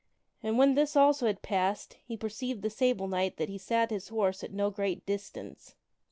And when this also had passed he perceived the Sable Knight that he sat his horse at no great distance.